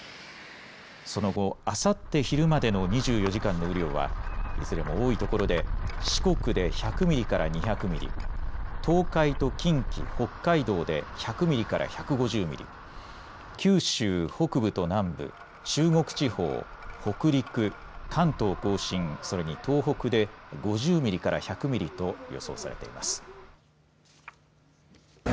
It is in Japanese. その後、あさって昼までの２４時間の雨量はいずれも多いところで四国で１００ミリから２００ミリ、東海と近畿、北海道で１００ミリから１５０ミリ、九州北部と南部、中国地方、北陸、関東甲信、それに東北で５０ミリから１００ミリと予想されています。